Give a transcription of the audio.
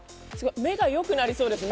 目が良くなりそうです